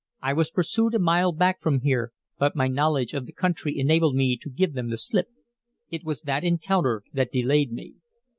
I was pursued a mile back from here, but my knowledge of the country enabled me to give them the slip. It was that encounter that delayed me."